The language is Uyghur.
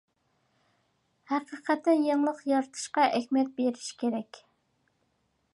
ھەقىقەتەن يېڭىلىق يارىتىشقا ئەھمىيەت بېرىش كېرەك.